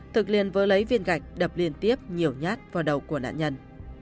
thực liền vỡ lấy viên gạch đập liền tiếp nhiều nhát vào đầu của nạn nhân